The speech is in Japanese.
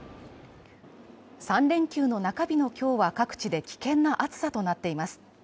３連休の中日の今日は各地で危険な暑さとなっています。